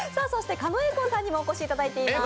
狩野英孝さんにもお越しいただいております。